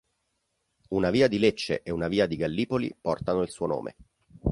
Una via di Lecce e una via di Gallipoli portano il suo nome.